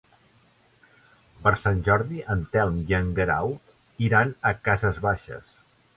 Per Sant Jordi en Telm i en Guerau iran a Cases Baixes.